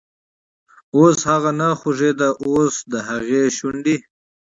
اوس هغه نه خوږیده، اوس دهغې شونډې،